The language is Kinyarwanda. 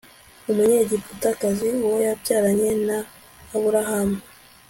umunyegiputakazi uwo yabyaranye na aburahamu